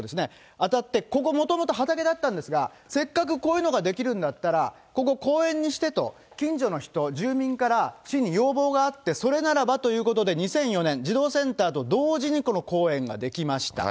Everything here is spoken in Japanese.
あたって、ここ、もともと畑だったんですが、せっかくこういうのが出来るんだったら、ここ、公園にしてと近所の人、住民から市に要望があって、それならばということで、２００４年、児童センターと同時にこの公園が出来ました。